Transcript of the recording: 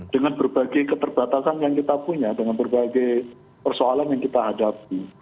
dengan berbagai keterbatasan yang kita punya dengan berbagai persoalan yang kita hadapi